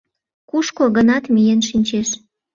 Кушко-гынат миен шинчеш.